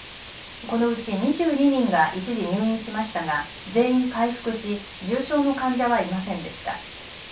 このうち２２人が一時入院しましたが全員回復し重症の患者はいませんでした。